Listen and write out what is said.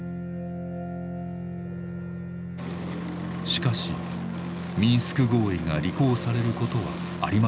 しかしミンスク合意が履行されることはありませんでした。